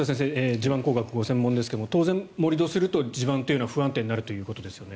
地盤工学がご専門ですけど当然、盛り土すると地盤は不安定になるということですよね。